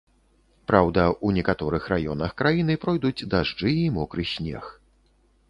Праўда, у некаторых раёнах краіны пройдуць дажджы і мокры снег.